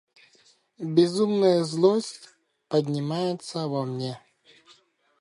Безумная злость поднимается во мне.